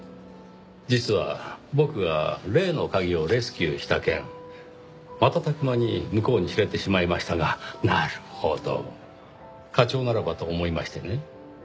実は僕が例の鍵をレスキューした件瞬く間に向こうに知れてしまいましたがなるほど課長ならばと思いましてね。